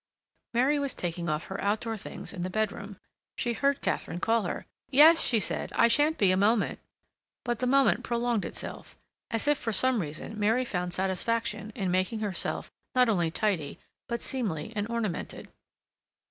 Mary was taking off her outdoor things in the bedroom. She heard Katharine call her. "Yes," she said, "I shan't be a moment." But the moment prolonged itself, as if for some reason Mary found satisfaction in making herself not only tidy, but seemly and ornamented.